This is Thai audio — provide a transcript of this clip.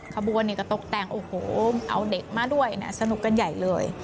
ขบวนก็ตกแต่งโอ้โหเอาเด็กมาด้วยนะสนุกกันใหญ่เลย